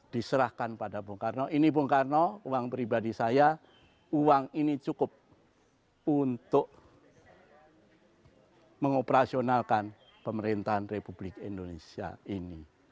diserahkan pada bung karno ini bung karno uang pribadi saya uang ini cukup untuk mengoperasionalkan pemerintahan republik indonesia ini